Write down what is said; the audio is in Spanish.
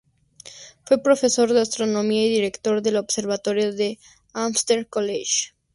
Fue profesor de astronomía y director del observatorio de Amherst College.